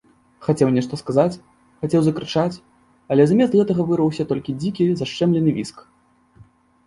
Хацеў нешта сказаць, хацеў закрычаць, але замест гэтага вырваўся толькі дзікі зашчэмлены віск.